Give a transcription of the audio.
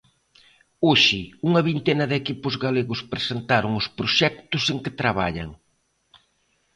Hoxe, unha vintena de equipos galegos presentaron os proxectos en que traballan.